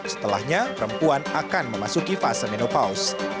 setelahnya perempuan akan memasuki fase menopaus